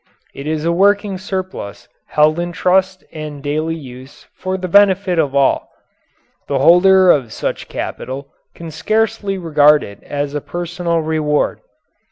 It is a working surplus held in trust and daily use for the benefit of all. The holder of such capital can scarcely regard it as a personal reward.